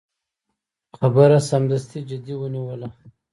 خبره سمدستي جدي ونیوله.